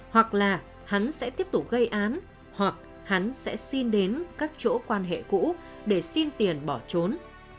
hoặc là hắn sẽ tiếp tục gây án hoặc hắn sẽ xin đến các chỗ quan hệ cũ để xin tiền bỏ trốn